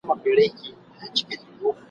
هغه به کیږي چي لیکلي وي کاتب د ازل ..